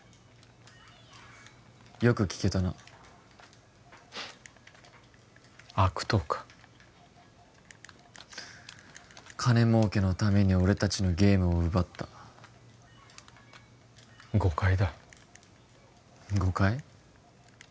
よく聞けたなフッ悪党か金儲けのために俺達のゲームを奪った誤解だ誤解？